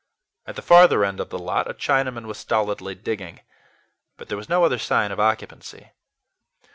At the farther end of the lot, a Chinaman was stolidly digging; but there was no other sign of occupancy.